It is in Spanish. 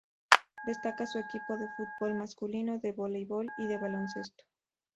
Destaca su equipo de fútbol masculino, de voleibol y de baloncesto.